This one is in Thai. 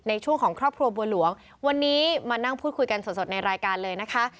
ในช่วงของครอบครัวบัวหลวงวันนี้มานั่งพูดคุยกันสดในรายการเลยนะคะ